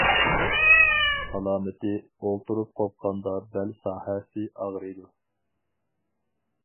ئالامىتى: ئولتۇرۇپ قوپقاندا بەل ساھەسى ئاغرىيدۇ.